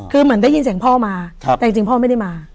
คือเหมือนได้ยินเสียงพ่อมาแต่จริงพ่อไม่ได้มา